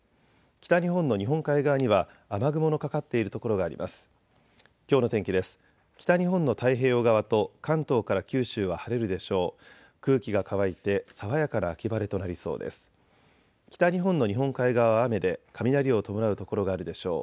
北日本の太平洋側と関東から九州は晴れるでしょう。